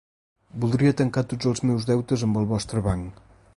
Voldria tancar tots els meus deutes amb el vostre banc.